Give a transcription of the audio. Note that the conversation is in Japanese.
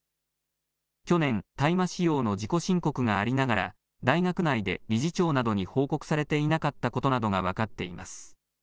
去年、大麻使用の自己申告がありながら、大学内で理事長などに報告されていなかったことなどが分かっています。